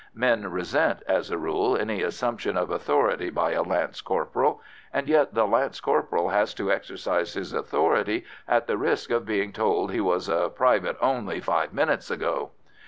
Men resent, as a rule, any assumption of authority by a lance corporal and yet the lance corporal has to exercise his authority at the risk of being told he was a private only five minutes ago.